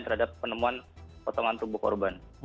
terhadap penemuan potongan tubuh korban